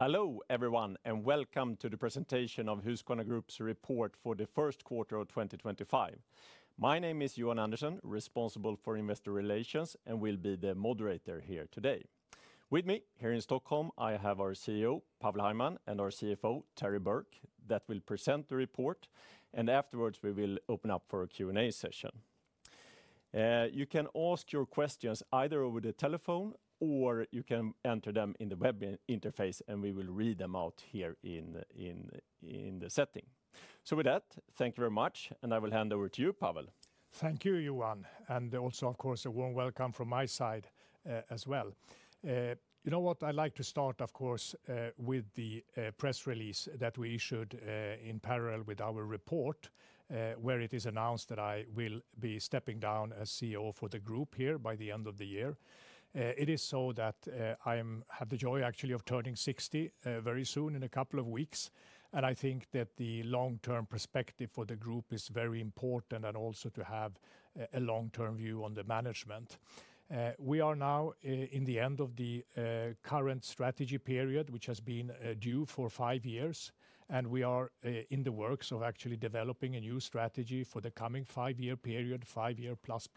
Hello everyone and welcome to the presentation of Husqvarna Group's report for the first quarter of 2025. My name is Johan Andersson, responsible for investor relations, and will be the moderator here today. With me here in Stockholm, I have our CEO, Pavel Hajman, and our CFO, Terry Burke, that will present the report, and afterwards we will open up for a Q&A session. You can ask your questions either over the telephone or you can enter them in the web interface, and we will read them out here in the setting. Thank you very much, and I will hand over to you, Pavel. Thank you, Johan, and also, of course, a warm welcome from my side as well. You know what? I'd like to start, of course, with the press release that we issued in parallel with our report, where it is announced that I will be stepping down as CEO for the group here by the end of the year. It is so that I have the joy, actually, of turning 60 very soon in a couple of weeks, and I think that the long-term perspective for the group is very important and also to have a long-term view on the management. We are now in the end of the current strategy period, which has been due for five years, and we are in the works of actually developing a new strategy for the coming five-year period, five-year plus.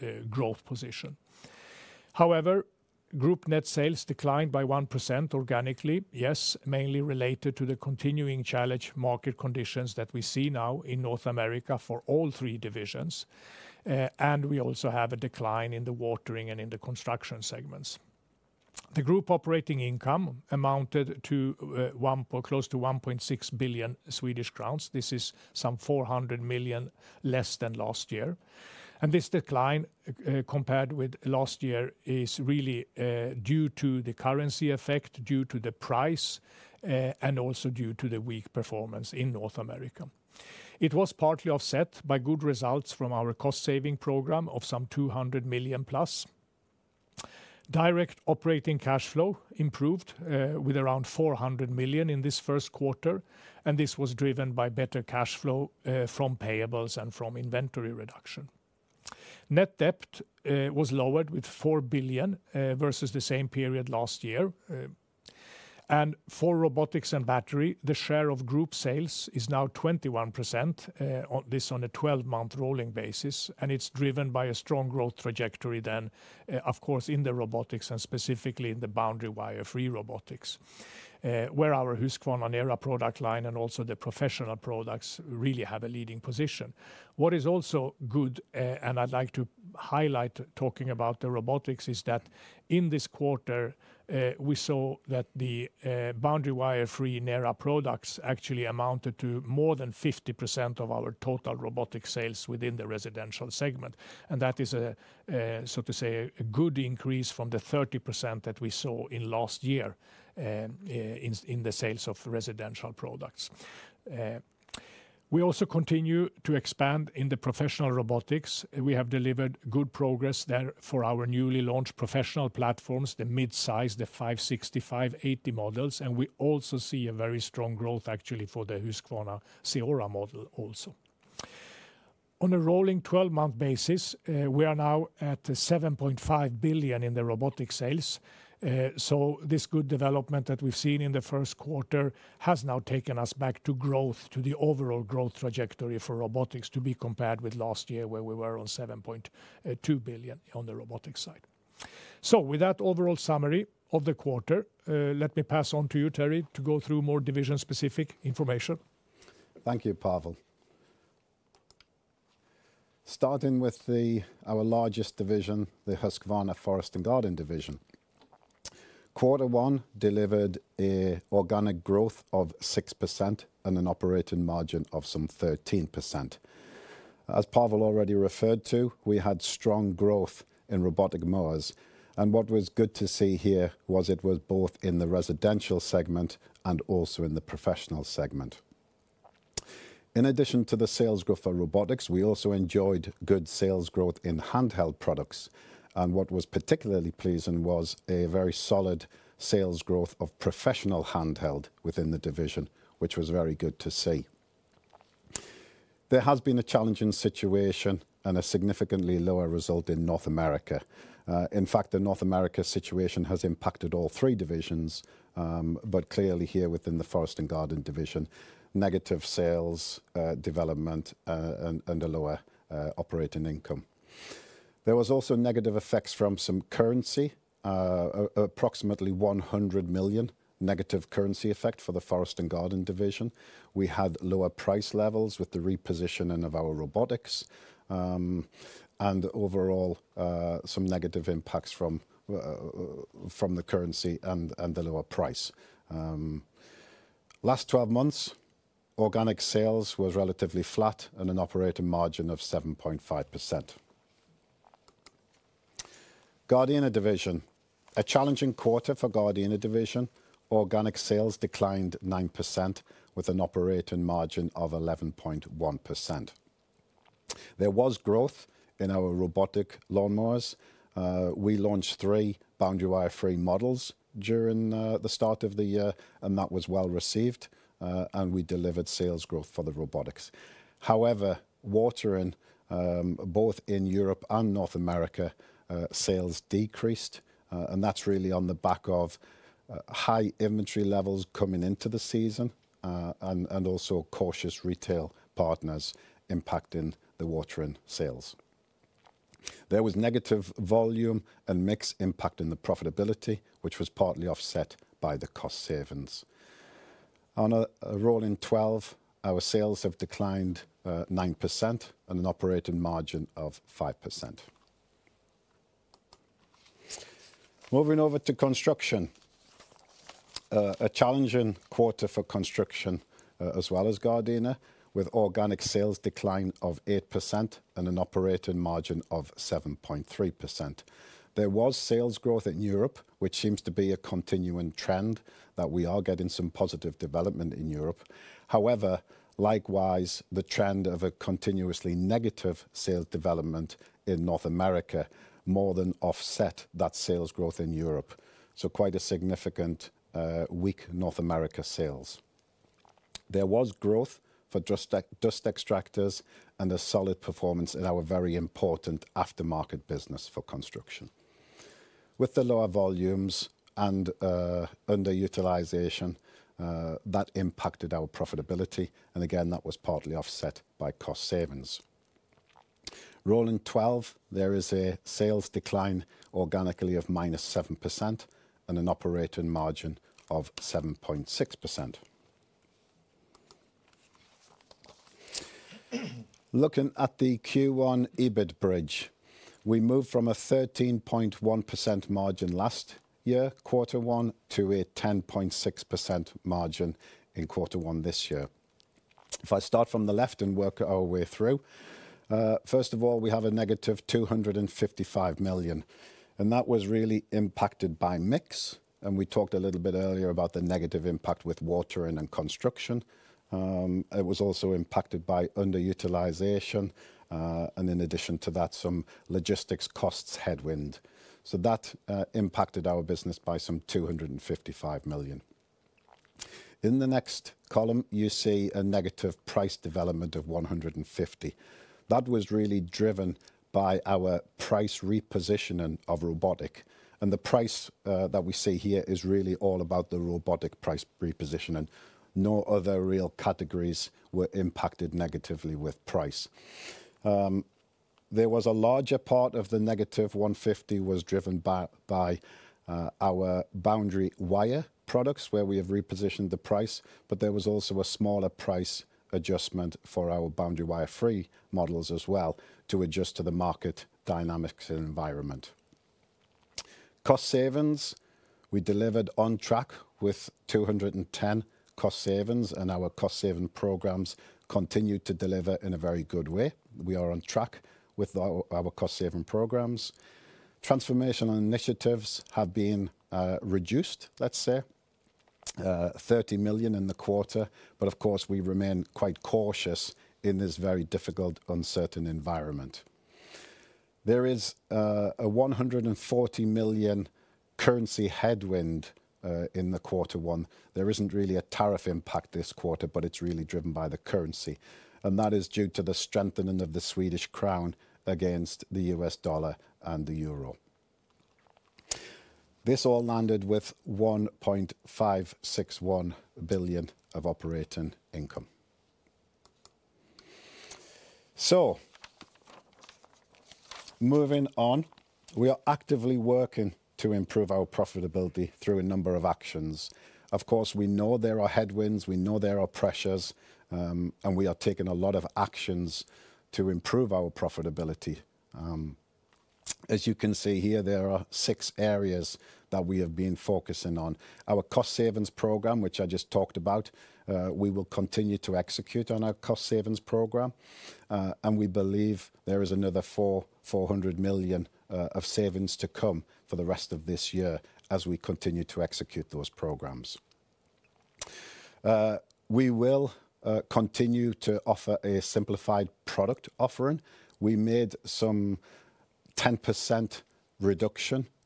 That growth position. However, group net sales declined by 1% organically, yes, mainly related to the continuing challenge market conditions that we see now in North America for all three divisions, and we also have a decline in the watering and in the construction segments. The group operating income amounted to close to 1.6 billion Swedish crowns. This is some 400 million less than last year, and this decline compared with last year is really due to the currency effect, due to the price, and also due to the weak performance in North America. It was partly offset by good results from our cost-saving program of some 200 million plus. Direct operating cash flow improved with around 400 million in this first quarter, and this was driven by better cash flow from payables and from inventory reduction. Net debt was lowered with 4 billion versus the same period last year, and for robotics and battery, the share of group sales is now 21%, this on a 12-month rolling basis, and it's driven by a strong growth trajectory then, of course, in the robotics and specifically in the boundary wire-free robotics, where our Husqvarna NERA product line and also the professional products really have a leading position. What is also good, and I'd like to highlight talking about the robotics, is that in this quarter we saw that the boundary wire-free NERA products actually amounted to more than 50% of our total robotic sales within the residential segment, and that is a, so to say, a good increase from the 30% that we saw in last year in the sales of residential products. We also continue to expand in the professional robotics. We have delivered good progress there for our newly launched professional platforms, the mid-size, the 560, 580 models, and we also see a very strong growth actually for the Husqvarna CEORA model also. On a rolling 12-month basis, we are now at 7.5 billion in the robotic sales, so this good development that we've seen in the first quarter has now taken us back to growth, to the overall growth trajectory for robotics to be compared with last year where we were on 7.2 billion on the robotic side. With that overall summary of the quarter, let me pass on to you, Terry, to go through more division-specific information. Thank you, Pavel. Starting with our largest division, the Husqvarna Forest & Garden division, quarter one delivered an organic growth of 6% and an operating margin of some 13%. As Pavel already referred to, we had strong growth in robotic mowers, and what was good to see here was it was both in the residential segment and also in the professional segment. In addition to the sales growth for robotics, we also enjoyed good sales growth in handheld products, and what was particularly pleasing was a very solid sales growth of professional handheld within the division, which was very good to see. There has been a challenging situation and a significantly lower result in North America. In fact, the North America situation has impacted all three divisions, but clearly here within the Forest & Garden division, negative sales development and a lower operating income. There were also negative effects from some currency, approximately 100 million negative currency effect for the Forest and Garden division. We had lower price levels with the repositioning of our robotics and overall some negative impacts from the currency and the lower price. Last 12 months, organic sales were relatively flat and an operating margin of 7.5%. Gardena division, a challenging quarter for Gardena division, organic sales declined 9% with an operating margin of 11.1%. There was growth in our robotic mowers. We launched three boundary wire-free models during the start of the year, and that was well received, and we delivered sales growth for the robotics. However, watering both in Europe and North America, sales decreased, and that's really on the back of high inventory levels coming into the season and also cautious retail partners impacting the watering sales. There was negative volume and mixed impact in the profitability, which was partly offset by the cost savings. On a rolling 12, our sales have declined 9% and an operating margin of 5%. Moving over to Construction, a challenging quarter for Construction as well as Gardena with organic sales decline of 8% and an operating margin of 7.3%. There was sales growth in Europe, which seems to be a continuing trend that we are getting some positive development in Europe. However, likewise, the trend of a continuously negative sales development in North America more than offset that sales growth in Europe, so quite a significant weak North America sales. There was growth for dust extractors and a solid performance in our very important aftermarket business for Construction. With the lower volumes and underutilization that impacted our profitability, and again, that was partly offset by cost savings. Rolling 12, there is a sales decline organically of -7% and an operating margin of 7.6%. Looking at the Q1 EBIT bridge, we moved from a 13.1% margin last year, quarter one, to a 10.6% margin in quarter one this year. If I start from the left and work our way through, first of all, we have a -255 million, and that was really impacted by mix, and we talked a little bit earlier about the negative impact with watering and construction. It was also impacted by underutilization, and in addition to that, some logistics costs headwind, so that impacted our business by some 255 million. In the next column, you see a negative price development of 150 million. That was really driven by our price repositioning of robotic, and the price that we see here is really all about the robotic price repositioning. No other real categories were impacted negatively with price. There was a larger part of the negative 150 million was driven by our boundary wire products where we have repositioned the price, but there was also a smaller price adjustment for our boundary wire-free models as well to adjust to the market dynamics and environment. Cost savings, we delivered on track with 210 million cost savings, and our cost saving programs continued to deliver in a very good way. We are on track with our cost saving programs. Transformational initiatives have been reduced, let's say, 30 million in the quarter, but of course, we remain quite cautious in this very difficult, uncertain environment. There is a 140 million currency headwind in the quarter one. There isn't really a tariff impact this quarter, but it's really driven by the currency, and that is due to the strengthening of the Swedish krona against the U.S. dollar and the euro. This all landed with 1.561 billion of operating income. Moving on, we are actively working to improve our profitability through a number of actions. Of course, we know there are headwinds, we know there are pressures, and we are taking a lot of actions to improve our profitability. As you can see here, there are six areas that we have been focusing on. Our cost savings program, which I just talked about, we will continue to execute on our cost savings program, and we believe there is another SEK 400 million of savings to come for the rest of this year as we continue to execute those programs. We will continue to offer a simplified product offering. We made some 10% reduction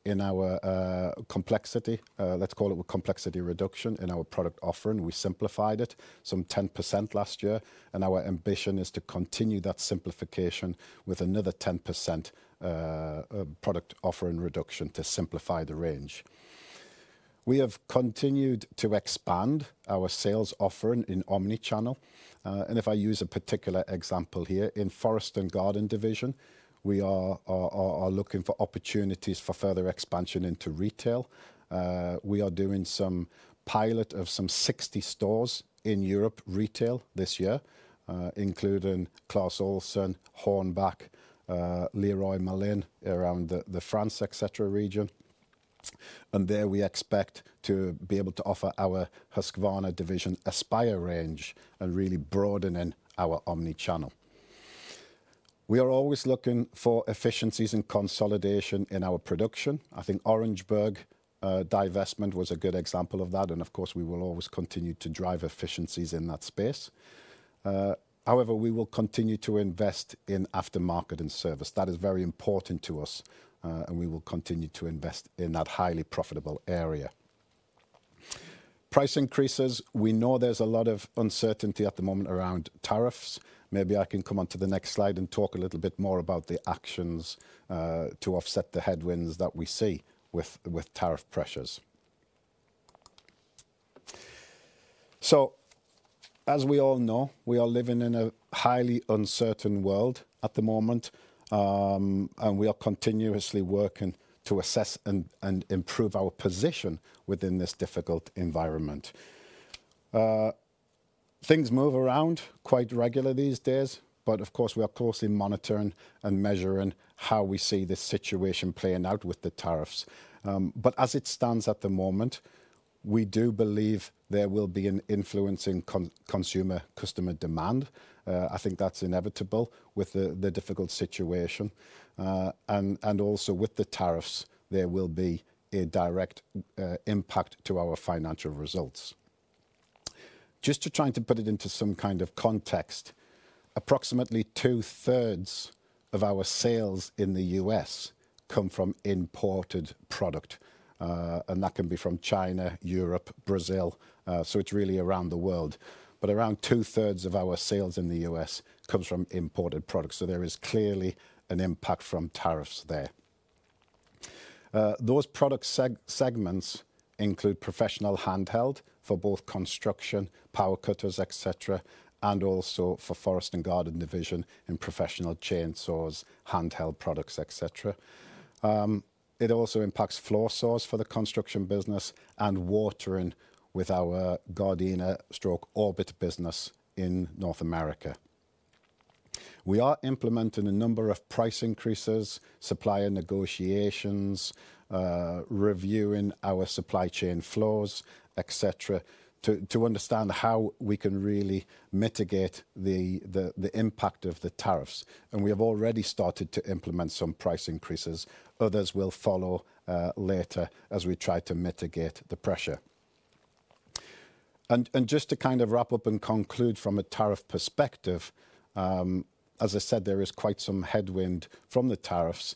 in our complexity, let's call it a complexity reduction in our product offering. We simplified it some 10% last year, and our ambition is to continue that simplification with another 10% product offering reduction to simplify the range. We have continued to expand our sales offering in omnichannel, and if I use a particular example here, in Forest and Garden division, we are looking for opportunities for further expansion into retail. We are doing some pilot of some 60 stores in Europe retail this year, including Clas Ohlson, Hornbach, Leroy Merlin around the France region, etc., and there we expect to be able to offer our Husqvarna division Aspire range and really broadening our omnichannel. We are always looking for efficiencies and consolidation in our production. I think Orangeburg divestment was a good example of that, and of course, we will always continue to drive efficiencies in that space. However, we will continue to invest in aftermarket and service. That is very important to us, and we will continue to invest in that highly profitable area. Price increases, we know there's a lot of uncertainty at the moment around tariffs. Maybe I can come on to the next slide and talk a little bit more about the actions to offset the headwinds that we see with tariff pressures. As we all know, we are living in a highly uncertain world at the moment, and we are continuously working to assess and improve our position within this difficult environment. Things move around quite regularly these days, but of course, we are closely monitoring and measuring how we see this situation playing out with the tariffs. As it stands at the moment, we do believe there will be an influence in consumer customer demand. I think that's inevitable with the difficult situation, and also with the tariffs, there will be a direct impact to our financial results. Just to try and put it into some kind of context, approximately 2/3 of our sales in the U.S. come from imported product, and that can be from China, Europe, Brazil, so it's really around the world. Around 2/3 of our sales in the U.S. comes from imported products, so there is clearly an impact from tariffs there. Those product segments include professional handheld for both construction, power cutters, etc., and also for Forest and Garden division and professional chainsaws, handheld products, etc. It also impacts floor saws for the construction business and watering with our Gardena/Orbit business in North America. We are implementing a number of price increases, supplier negotiations, reviewing our supply chain floors, etc., to understand how we can really mitigate the impact of the tariffs, and we have already started to implement some price increases. Others will follow later as we try to mitigate the pressure. Just to kind of wrap up and conclude from a tariff perspective, as I said, there is quite some headwind from the tariffs.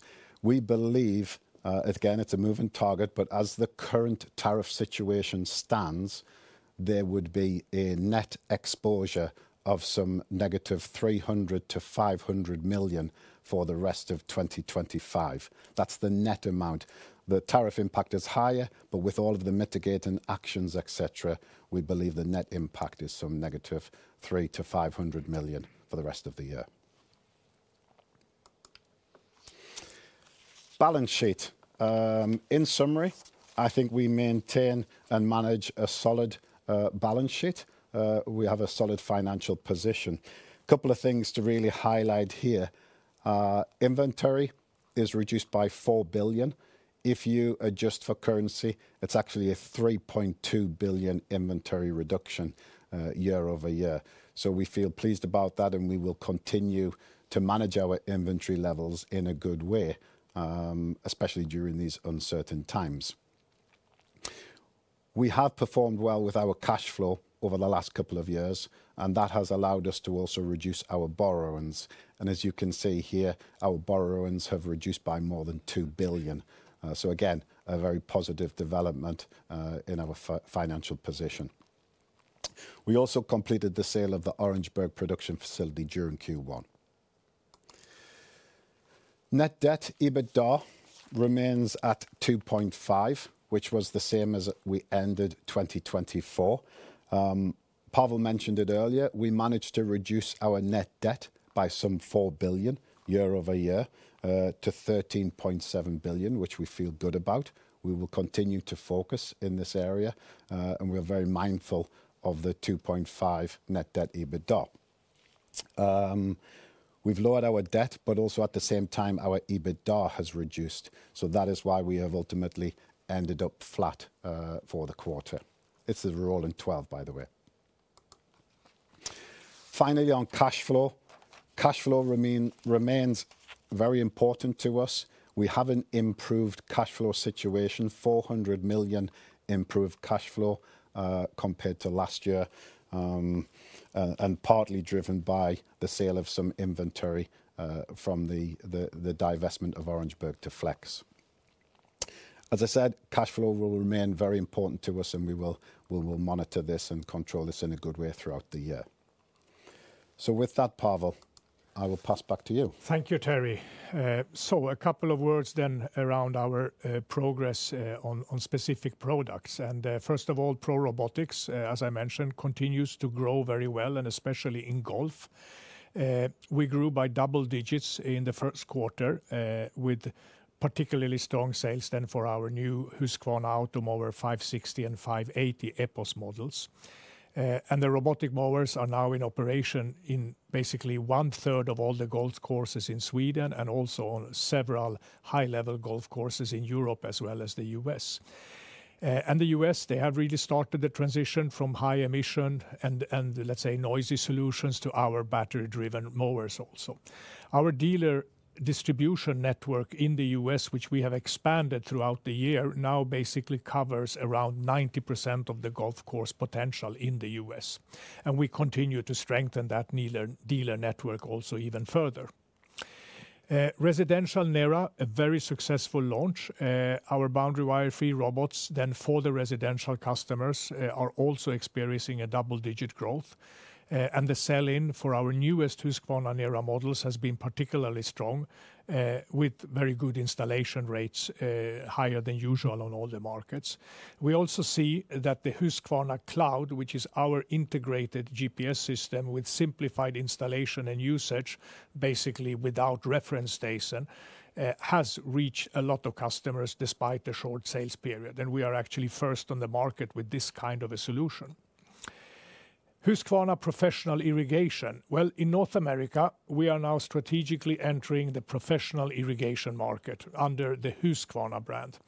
We believe, again, it's a moving target, but as the current tariff situation stands, there would be a net exposure of some -300 million--500 million for the rest of 2025. That's the net amount. The tariff impact is higher, but with all of the mitigating actions, etc., we believe the net impact is some -300 million--500 million for the rest of the year. Balance sheet, in summary, I think we maintain and manage a solid balance sheet. We have a solid financial position. A couple of things to really highlight here. Inventory is reduced by 4 billion. If you adjust for currency, it's actually a 3.2 billion inventory reduction year-over-year, so we feel pleased about that, and we will continue to manage our inventory levels in a good way, especially during these uncertain times. We have performed well with our cash flow over the last couple of years, and that has allowed us to also reduce our borrowings, and as you can see here, our borrowings have reduced by more than 2 billion. A very positive development in our financial position. We also completed the sale of the Orangeburg production facility during Q1. Net debt to EBITDA remains at 2.5, which was the same as we ended 2024. Pavel mentioned it earlier. We managed to reduce our net debt by some 4 billion year-over-year to 13.7 billion, which we feel good about. We will continue to focus in this area, and we are very mindful of the 2.5 net debt to EBITDA. We've lowered our debt, but also at the same time, our EBITDA has reduced, so that is why we have ultimately ended up flat for the quarter. It's the rolling 12, by the way. Finally, on cash flow, cash flow remains very important to us. We have an improved cash flow situation, 400 million improved cash flow compared to last year, and partly driven by the sale of some inventory from the divestment of Orangeburg to Flex. As I said, cash flow will remain very important to us, and we will monitor this and control this in a good way throughout the year. With that Pavel I will pass back to you. Thank you, Terry. A couple of words then around our progress on specific products, and first of all, ProRobotics, as I mentioned, continues to grow very well, especially in golf. We grew by double digits in the first quarter with particularly strong sales for our new Husqvarna Automower 560 and 580 EPOS models, and the robotic mowers are now in operation in basically 1/3 of all the golf courses in Sweden and also on several high-level golf courses in Europe as well as the U.S. In the U.S., they have really started the transition from high emission and, let's say, noisy solutions to our battery-driven mowers also. Our dealer distribution network in the U.S., which we have expanded throughout the year, now basically covers around 90% of the golf course potential in the U.S., and we continue to strengthen that dealer network also even further. Residential NERA, a very successful launch. Our boundary wire-free robots then for the residential customers are also experiencing a double-digit growth, and the sell-in for our newest Husqvarna NERA models has been particularly strong with very good installation rates higher than usual on all the markets. We also see that the Husqvarna Cloud, which is our integrated GPS system with simplified installation and usage basically without reference station, has reached a lot of customers despite the short sales period, and we are actually first on the market with this kind of a solution. Husqvarna professional irrigation, in North America, we are now strategically entering the professional irrigation market under the Husqvarna brand,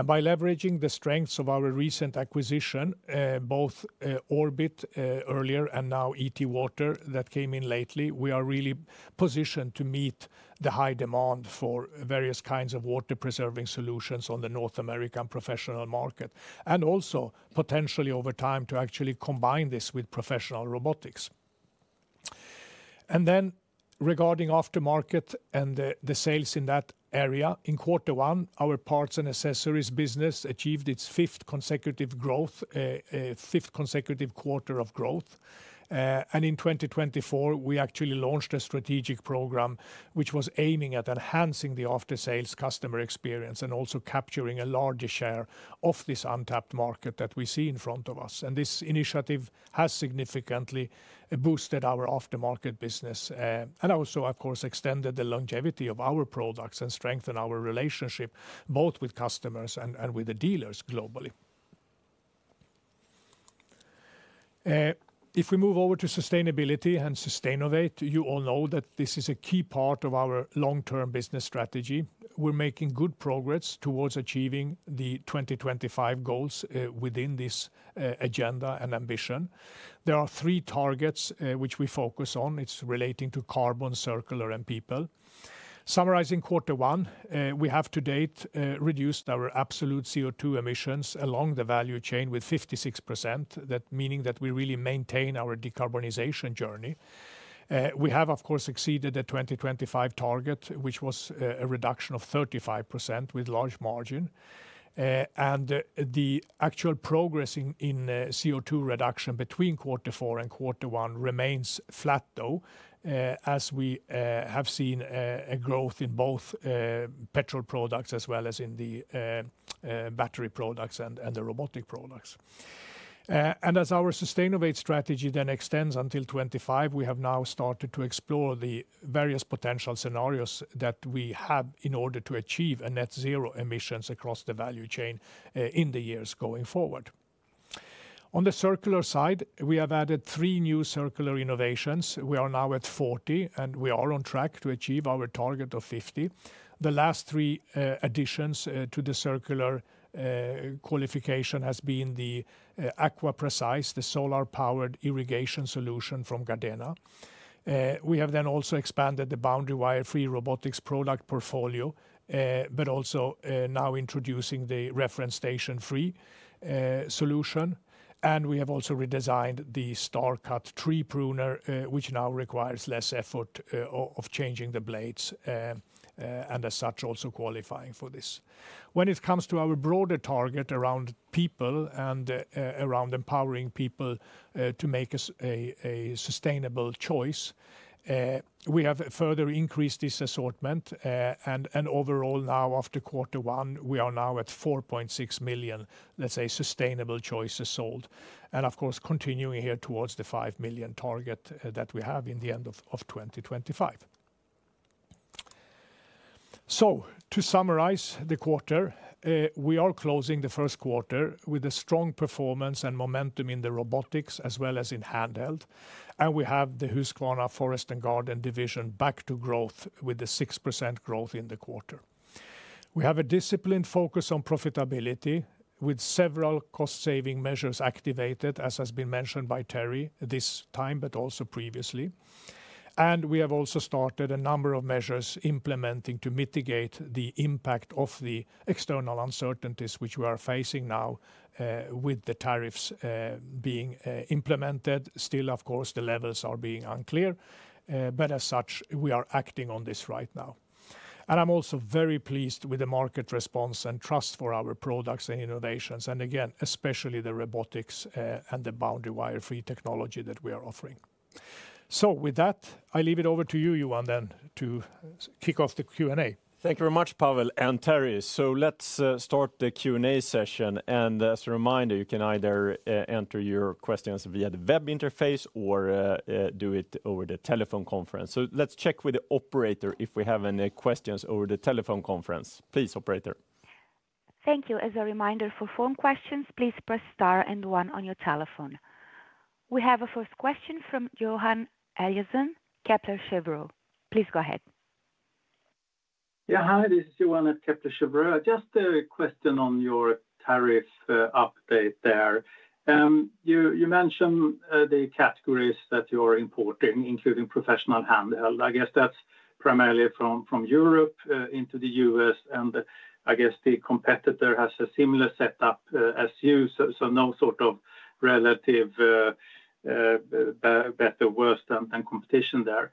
and by leveraging the strengths of our recent acquisition, both Orbit earlier and now ETwater that came in lately, we are really positioned to meet the high demand for various kinds of water preserving solutions on the North American professional market and also potentially over time to actually combine this with professional robotics. Regarding aftermarket and the sales in that area, in quarter one, our parts and accessories business achieved its fifth consecutive quarter of growth, and in 2024, we actually launched a strategic program which was aiming at enhancing the after-sales customer experience and also capturing a larger share of this untapped market that we see in front of us. This initiative has significantly boosted our aftermarket business and also, of course, extended the longevity of our products and strengthened our relationship both with customers and with the dealers globally. If we move over to sustainability and Sustainovate, you all know that this is a key part of our long-term business strategy. We're making good progress towards achieving the 2025 goals within this agenda and ambition. There are three targets which we focus on. It's relating to carbon, circular, and people. Summarizing quarter one, we have to date reduced our absolute CO2 emissions along the value chain with 56%, meaning that we really maintain our decarbonization journey. We have, of course, exceeded the 2025 target, which was a reduction of 35% with large margin, and the actual progress in CO2 reduction between quarter four and quarter one remains flat, though, as we have seen a growth in both petrol products as well as in the battery products and the robotic products. As our Sustainovate strategy then extends until 2025, we have now started to explore the various potential scenarios that we have in order to achieve net zero emissions across the value chain in the years going forward. On the circular side, we have added three new circular innovations. We are now at 40, and we are on track to achieve our target of 50. The last three additions to the circular qualification have been the AquaPrecise, the solar-powered irrigation solution from Gardena. We have then also expanded the boundary wire-free robotics product portfolio, but also now introducing the reference station-free solution, and we have also redesigned the StarCut tree pruner, which now requires less effort of changing the blades and, as such, also qualifying for this. When it comes to our broader target around people and around empowering people to make a sustainable choice, we have further increased this assortment, and overall now, after quarter one, we are now at 4.6 million, let's say, sustainable choices sold, and of course, continuing here towards the 5 million target that we have in the end of 2025. To summarize the quarter, we are closing the first quarter with a strong performance and momentum in the robotics as well as in handheld, and we have the Husqvarna Forest & Garden division back to growth with a 6% growth in the quarter. We have a disciplined focus on profitability with several cost-saving measures activated, as has been mentioned by Terry this time, but also previously, and we have also started a number of measures implementing to mitigate the impact of the external uncertainties which we are facing now with the tariffs being implemented. Still, of course, the levels are being unclear, but as such, we are acting on this right now. I am also very pleased with the market response and trust for our products and innovations, and again, especially the robotics and the boundary wire free technology that we are offering. With that, I leave it over to you, Johan, then to kick off the Q&A. Thank you very much, Pavel and Terry. Let's start the Q&A session, and as a reminder, you can either enter your questions via the web interface or do it over the telephone conference. Let's check with the operator if we have any questions over the telephone conference. Please, operator. Thank you. As a reminder for phone questions, please press star and one on your telephone. We have a first question from Johan Eliason, Kepler Cheuvreux. Please go ahead. Yeah, hi, this is Johan at Kepler Cheuvreux. Just a question on your tariff update there. You mentioned the categories that you are importing, including professional handheld. I guess that's primarily from Europe into the U.S., and I guess the competitor has a similar setup as you, so no sort of relative better or worse than competition there.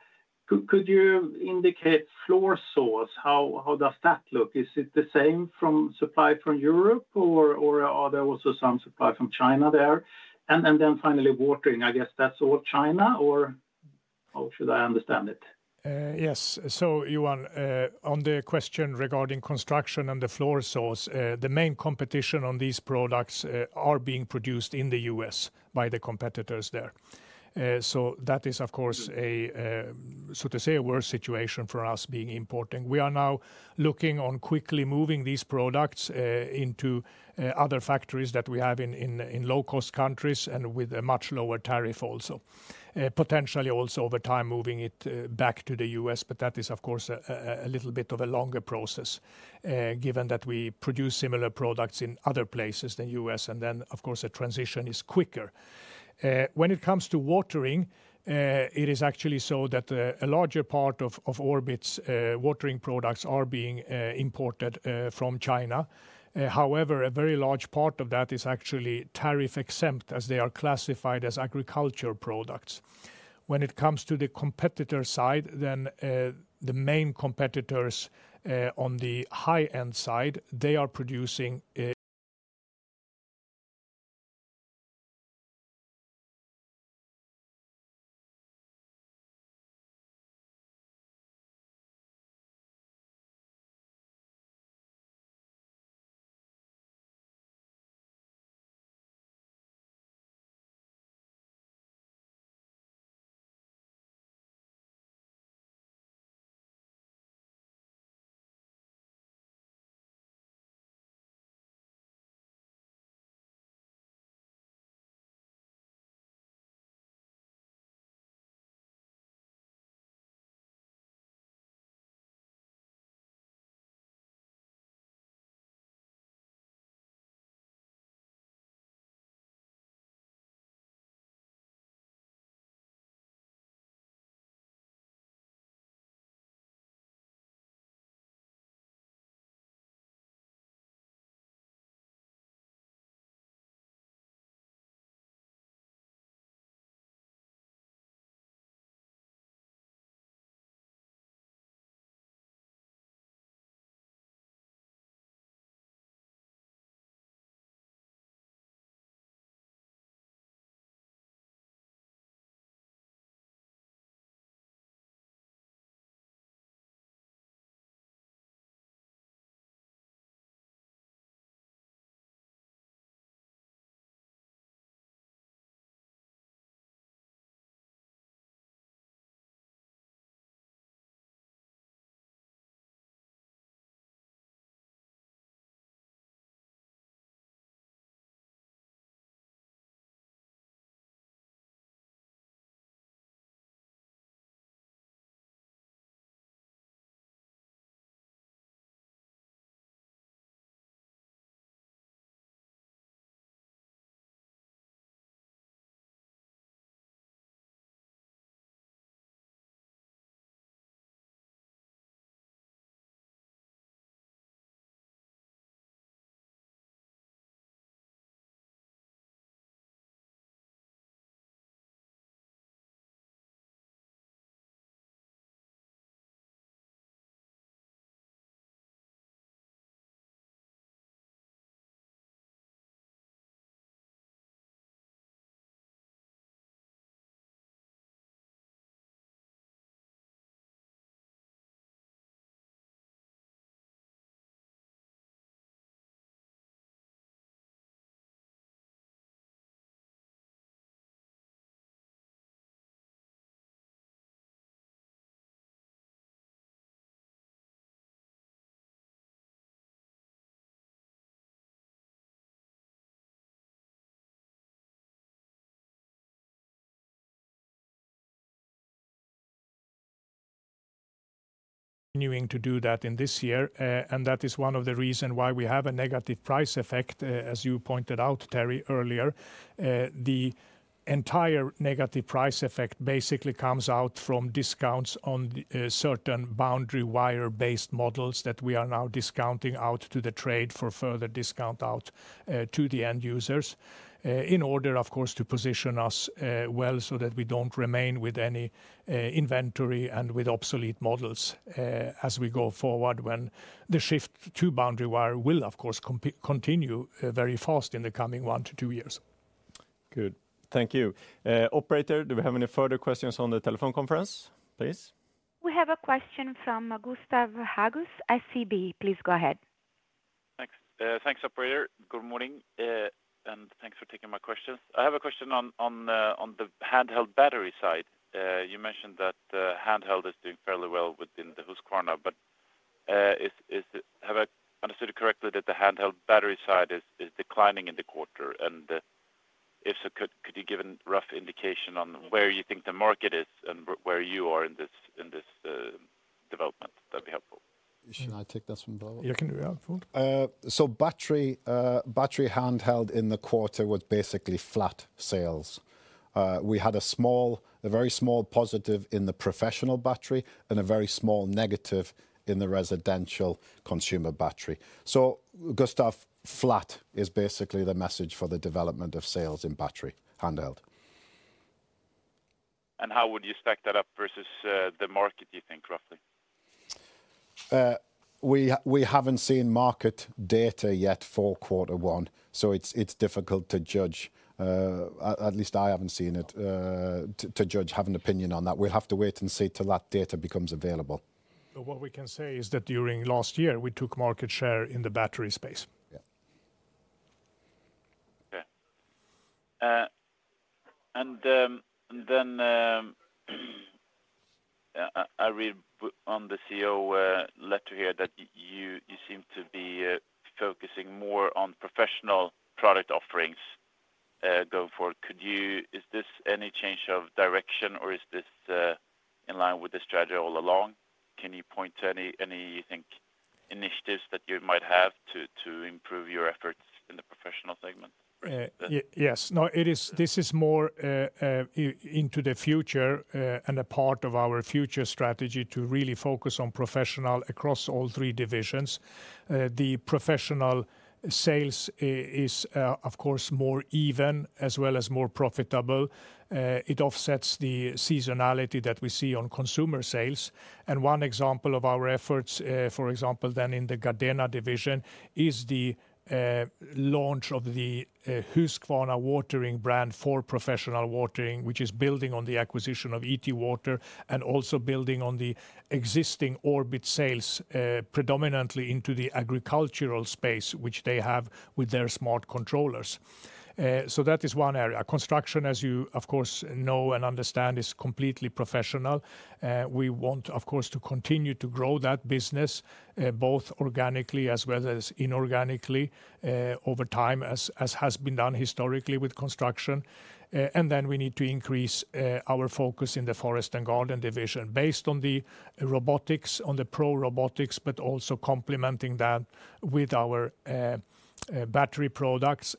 Could you indicate floor saws? How does that look? Is it the same from supply from Europe, or are there also some supply from China there? Finally, watering, I guess that's all China, or how should I understand it? Yes, so Johan, on the question regarding construction and the floor saws, the main competition on these products is being produced in the U.S. by the competitors there. That is, of course, a, so to say, a worse situation for us being importing. We are now looking on quickly moving these products into other factories that we have in low-cost countries and with a much lower tariff also, potentially also over time moving it back to the U.S., but that is, of course, a little bit of a longer process given that we produce similar products in other places than the U.S., and then, of course, the transition is quicker. When it comes to watering, it is actually so that a larger part of Orbit's watering products are being imported from China. However, a very large part of that is actually tariff-exempt as they are classified as agriculture products. When it comes to the competitor side, then the main competitors on the high-end side, they are producing. Continuing to do that in this year, and that is one of the reasons why we have a negative price effect, as you pointed out, Terry, earlier. The entire negative price effect basically comes out from discounts on certain boundary wire-based models that we are now discounting out to the trade for further discount out to the end users in order, of course, to position us well so that we do not remain with any inventory and with obsolete models as we go forward when the shift to boundary wire will, of course, continue very fast in the coming one to two years. Good. Thank you. Operator, do we have any further questions on the telephone conference? Please? We have a question from Gustav Hageus, SEB. Please go ahead. Thanks. Thanks, operator. Good morning, and thanks for taking my questions. I have a question on the handheld battery side. You mentioned that handheld is doing fairly well within the Husqvarna, but have I understood it correctly that the handheld battery side is declining in the quarter? If so, could you give a rough indication on where you think the market is and where you are in this development? That'd be helpful. Should I take this one? Yeah, can you? Yeah, sure. Battery handheld in the quarter was basically flat sales. We had a small, a very small positive in the professional battery and a very small negative in the residential consumer battery. Gustav, flat is basically the message for the development of sales in battery handheld. How would you stack that up versus the market, do you think, roughly? We haven't seen market data yet for quarter one, so it's difficult to judge. At least I haven't seen it to judge, have an opinion on that. We'll have to wait and see till that data becomes available. What we can say is that during last year, we took market share in the battery space. Yeah. Okay. I read on the CEO letter here that you seem to be focusing more on professional product offerings going forward. Is this any change of direction, or is this in line with the strategy all along? Can you point to any, you think, initiatives that you might have to improve your efforts in the professional segment? Yes. No, this is more into the future and a part of our future strategy to really focus on professional across all three divisions. The professional sales is, of course, more even as well as more profitable. It offsets the seasonality that we see on consumer sales. One example of our efforts, for example, then in the Gardena division, is the launch of the Husqvarna watering brand for professional watering, which is building on the acquisition of ETwater and also building on the existing Orbit sales predominantly into the agricultural space, which they have with their smart controllers. That is one area. Construction, as you, of course, know and understand, is completely professional. We want, of course, to continue to grow that business both organically as well as inorganically over time, as has been done historically with construction. We need to increase our focus in the forest and garden division based on the robotics, on the pro robotics, but also complementing that with our battery products.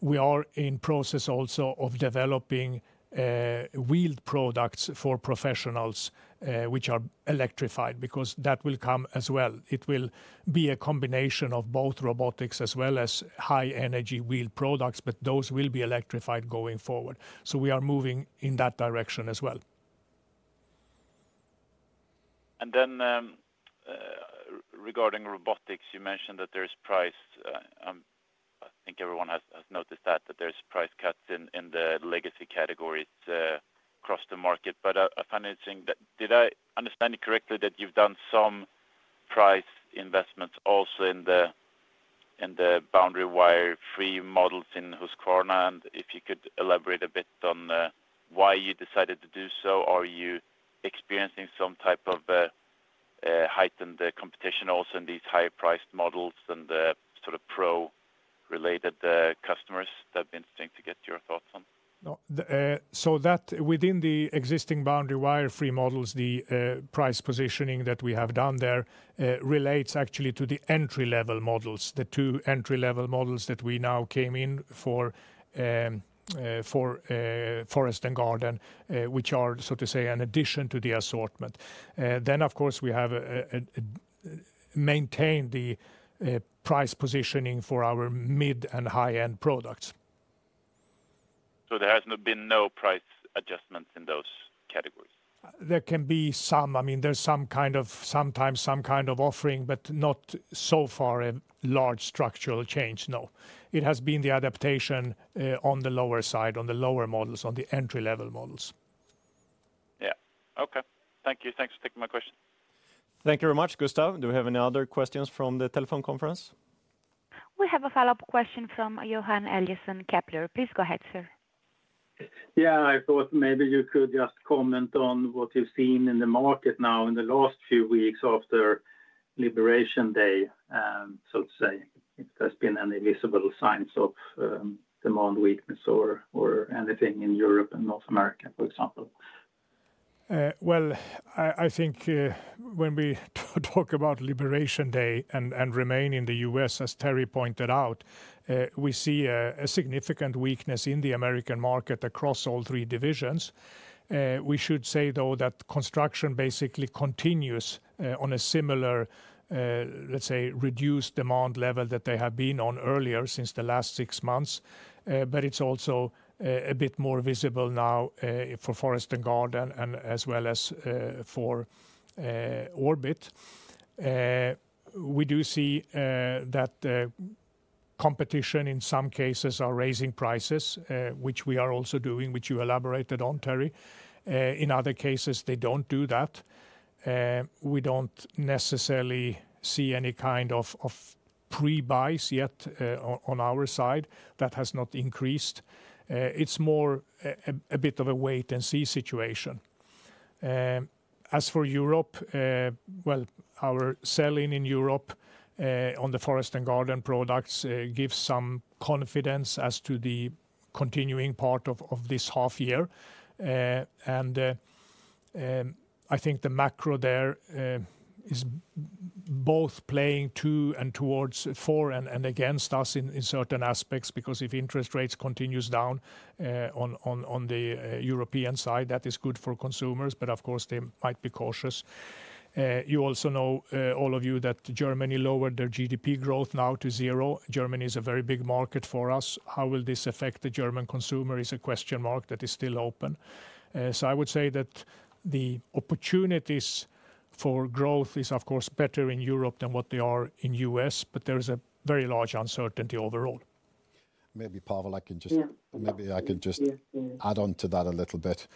We are in process also of developing wheeled products for professionals, which are electrified, because that will come as well. It will be a combination of both robotics as well as high-energy wheeled products, but those will be electrified going forward. We are moving in that direction as well. Regarding robotics, you mentioned that there is price. I think everyone has noticed that, that there's price cuts in the legacy categories across the market. I finally think that did I understand it correctly that you've done some price investments also in the boundary wire-free models in Husqvarna? If you could elaborate a bit on why you decided to do so. Are you experiencing some type of heightened competition also in these higher-priced models and the sort of pro-related customers? That would be interesting to get your thoughts on. Within the existing boundary wire-free models, the price positioning that we have done there relates actually to the entry-level models, the two entry-level models that we now came in for Forest & Garden, which are, so to say, an addition to the assortment. Of course, we have maintained the price positioning for our mid and high-end products. There has been no price adjustments in those categories? There can be some. I mean, there is some kind of, sometimes some kind of offering, but not so far a large structural change. No. It has been the adaptation on the lower side, on the lower models, on the entry-level models. Yeah. Okay. Thank you. Thanks for taking my question. Thank you very much, Gustav. Do we have any other questions from the telephone conference? We have a follow-up question from Johan Eliason, Kepler. Please go ahead, sir. Yeah, I thought maybe you could just comment on what you've seen in the market now in the last few weeks after Liberation Day, so to say. If there's been any visible signs of demand weakness or anything in Europe and North America, for example. I think when we talk about Liberation Day and remain in the U.S., as Terry pointed out, we see a significant weakness in the American market across all three divisions. We should say, though, that construction basically continues on a similar, let's say, reduced demand level that they have been on earlier since the last six months. It is also a bit more visible now for forest and garden and as well as for Orbit. We do see that competition in some cases are raising prices, which we are also doing, which you elaborated on, Terry. In other cases, they don't do that. We don't necessarily see any kind of pre-buys yet on our side. That has not increased. It's more a bit of a wait-and-see situation. As for Europe, our selling in Europe on the forest and garden products gives some confidence as to the continuing part of this half year. I think the macro there is both playing to and towards for and against us in certain aspects, because if interest rates continue down on the European side, that is good for consumers, but of course, they might be cautious. You also know, all of you, that Germany lowered their GDP growth now to zero. Germany is a very big market for us. How will this affect the German consumer is a question mark that is still open. I would say that the opportunities for growth is, of course, better in Europe than what they are in the U.S., but there is a very large uncertainty overall. Maybe, Pavel, I can just add on to that a little bit.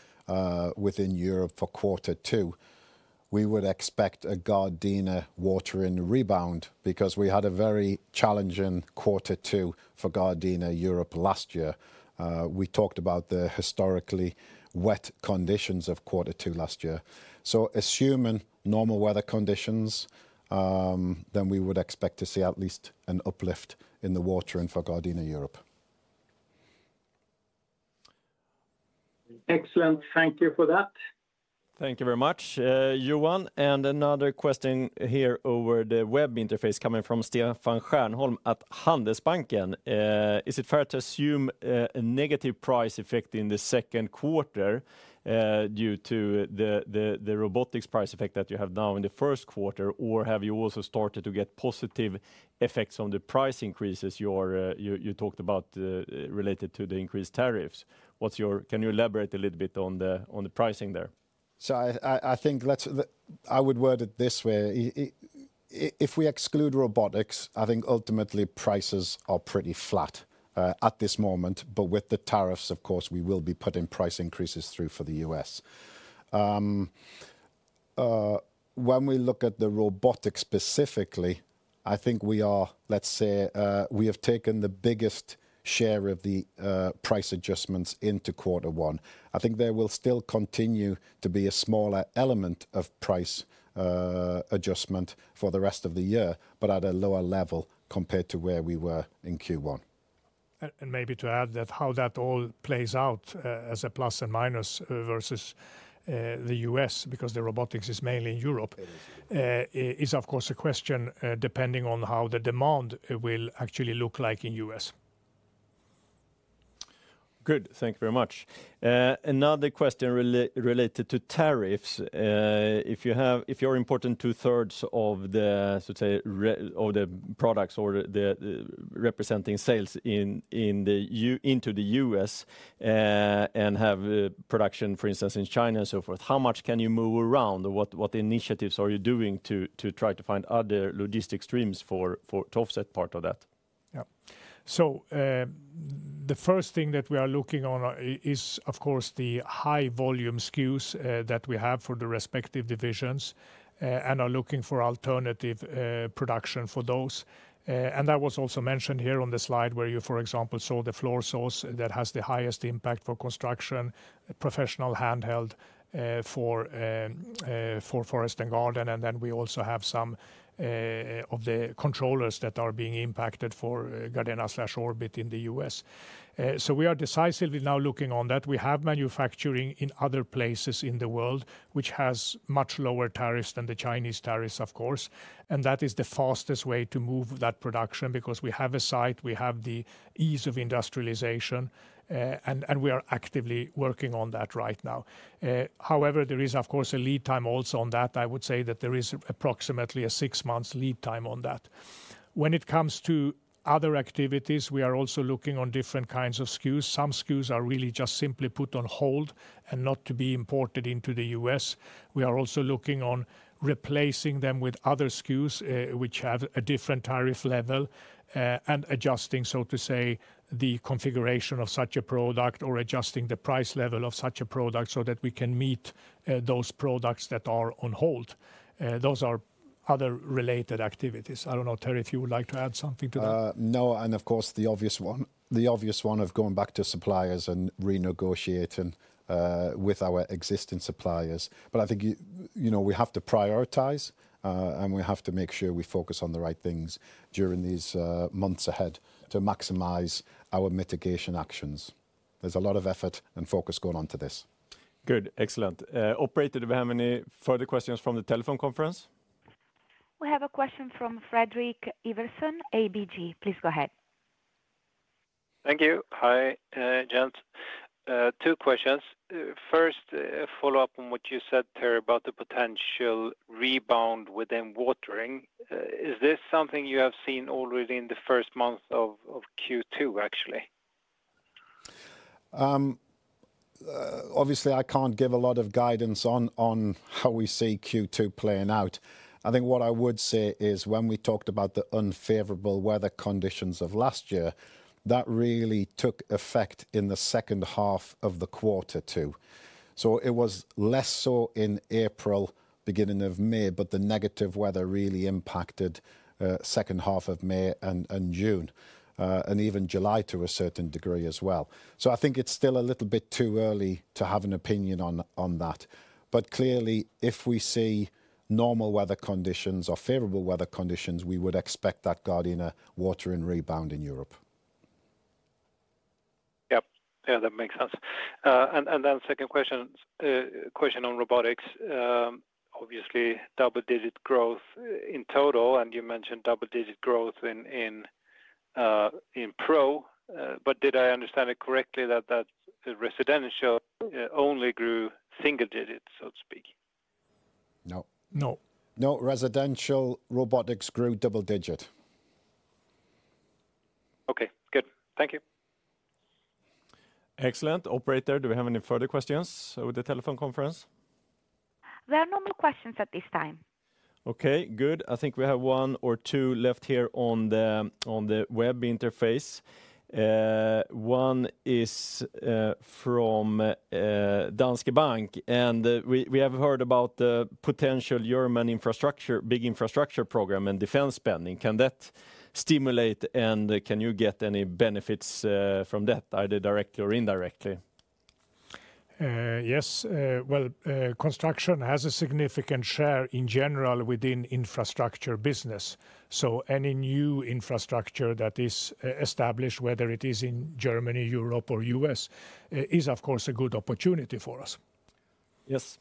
Within Europe for quarter two, we would expect a Gardena watering rebound because we had a very challenging quarter two for Gardena Europe last year. We talked about the historically wet conditions of quarter two last year. Assuming normal weather conditions, then we would expect to see at least an uplift in the watering for Gardena Europe. Excellent. Thank you for that. Thank you very much, Johan. Another question here over the web interface coming from Stefan Stjernholm at Handelsbanken. Is it fair to assume a negative price effect in the second quarter due to the robotics price effect that you have now in the first quarter, or have you also started to get positive effects on the price increases you talked about related to the increased tariffs? Can you elaborate a little bit on the pricing there? I think I would word it this way. If we exclude robotics, I think ultimately prices are pretty flat at this moment. With the tariffs, of course, we will be putting price increases through for the U.S. When we look at the robotics specifically, I think we are, let's say, we have taken the biggest share of the price adjustments into quarter one. I think there will still continue to be a smaller element of price adjustment for the rest of the year, but at a lower level compared to where we were in Q1. Maybe to add that how that all plays out as a plus and minus versus the U.S., because the robotics is mainly in Europe, is, of course, a question depending on how the demand will actually look like in the U.S. Good. Thank you very much. Another question related to tariffs. If you are importing 2/3 of the, so to say, of the products or the representing sales into the U.S. and have production, for instance, in China and so forth, how much can you move around? What initiatives are you doing to try to find other logistic streams to offset part of that? Yeah. The first thing that we are looking on is, of course, the high volume SKUs that we have for the respective divisions and are looking for alternative production for those. That was also mentioned here on the slide where you, for example, saw the floor saws that have the highest impact for construction, professional handheld for forest and garden. We also have some of the controllers that are being impacted for Gardena/Orbit in the U.S. We are decisively now looking on that. We have manufacturing in other places in the world, which has much lower tariffs than the Chinese tariffs, of course. That is the fastest way to move that production because we have a site, we have the ease of industrialization, and we are actively working on that right now. However, there is, of course, a lead time also on that. I would say that there is approximately a six-month lead time on that. When it comes to other activities, we are also looking on different kinds of SKUs. Some SKUs are really just simply put on hold and not to be imported into the US. We are also looking on replacing them with other SKUs which have a different tariff level and adjusting, so to say, the configuration of such a product or adjusting the price level of such a product so that we can meet those products that are on hold. Those are other related activities. I do not know, Terry, if you would like to add something to that. No, and of course, the obvious one, the obvious one of going back to suppliers and renegotiating with our existing suppliers. I think we have to prioritize and we have to make sure we focus on the right things during these months ahead to maximize our mitigation actions. There's a lot of effort and focus going on to this. Good. Excellent. Operator, do we have any further questions from the telephone conference? We have a question from Fredrik Ivarsson, ABG. Please go ahead. Thank you. Hi, two questions. First, follow up on what you said, Terry, about the potential rebound within watering. Is this something you have seen already in the first month of Q2, actually? Obviously, I can't give a lot of guidance on how we see Q2 playing out. I think what I would say is when we talked about the unfavorable weather conditions of last year, that really took effect in the second half of the quarter two. It was less so in April, beginning of May, but the negative weather really impacted second half of May and June and even July to a certain degree as well. I think it is still a little bit too early to have an opinion on that. Clearly, if we see normal weather conditions or favorable weather conditions, we would expect that Gardena watering rebound in Europe. Yep. That makes sense. Second question, question on robotics. Obviously, double-digit growth in total, and you mentioned double-digit growth in pro. Did I understand it correctly that residential only grew single digits, so to speak? No. No. No. Residential robotics grew double-digit. Good. Thank you. Excellent. Operator, do we have any further questions with the telephone conference? There are no more questions at this time. Good. I think we have one or two left here on the web interface. One is from Danske Bank. We have heard about the potential German infrastructure, big infrastructure program and defense spending. Can that stimulate and can you get any benefits from that, either directly or indirectly? Yes. Construction has a significant share in general within infrastructure business. Any new infrastructure that is established, whether it is in Germany, Europe, or the U.S., is, of course, a good opportunity for us. Yes.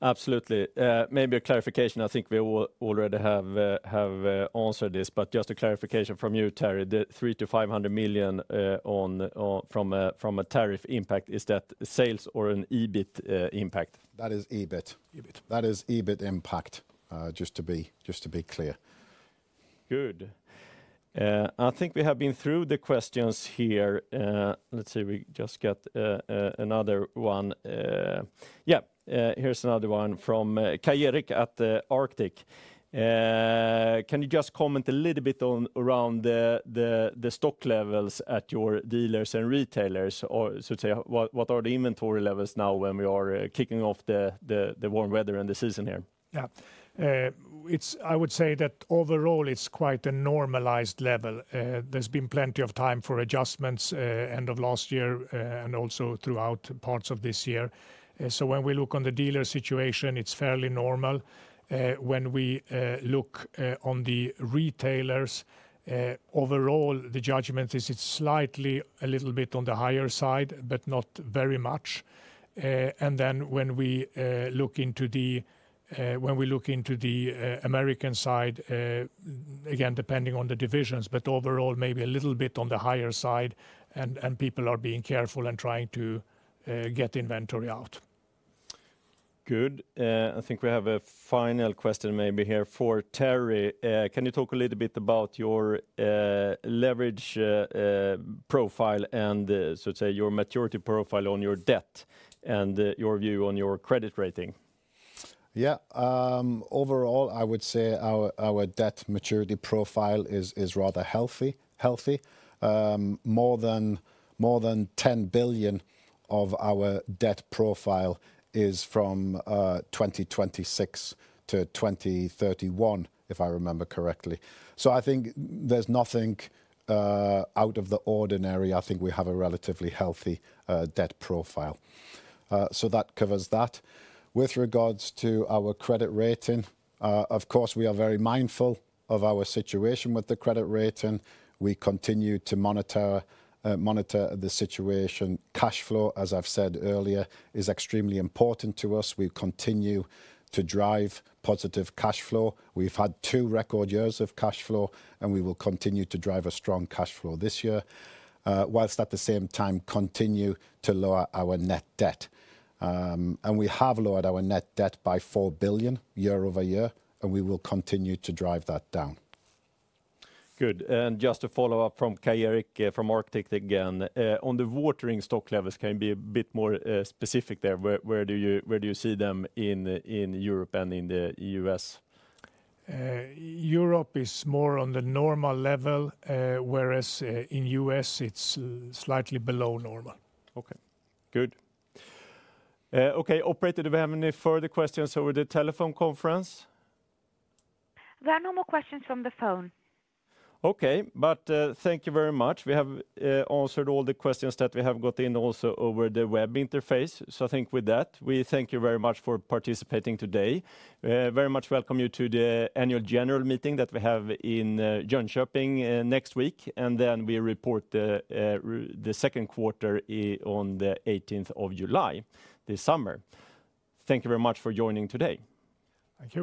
Absolutely. Maybe a clarification. I think we already have answered this, but just a clarification from you, Terry. The 300 million-500 million from a tariff impact, is that sales or an EBIT impact? That is EBIT. That is EBIT impact, just to be clear. Good. I think we have been through the questions here. Let's see. We just got another one. Yeah. Here's another one from Kai Erik at Arctic. Can you just comment a little bit around the stock levels at your dealers and retailers? To say, what are the inventory levels now when we are kicking off the warm weather and the season here? Yeah. I would say that overall, it's quite a normalized level. There's been plenty of time for adjustments end of last year and also throughout parts of this year. When we look on the dealer situation, it's fairly normal. When we look on the retailers, overall, the judgment is it's slightly a little bit on the higher side, but not very much. When we look into the, when we look into the American side, again, depending on the divisions, but overall, maybe a little bit on the higher side and people are being careful and trying to get inventory out. Good. I think we have a final question maybe here for Terry. Can you talk a little bit about your leverage profile and, so to say, your maturity profile on your debt and your view on your credit rating? Yeah. Overall, I would say our debt maturity profile is rather healthy. More than 10 billion of our debt profile is Okay. Thank you very much. We have answered all the questions that we have got in also over the web interface. I think with that, we thank you very much for participating today. Very much welcome you to the annual general meeting that we have in Jönköping next week. We report the second quarter on the 18th of July this summer. Thank you very much for joining today. Thank you.